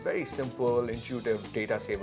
jadi setelah anda menyalakan mode data saver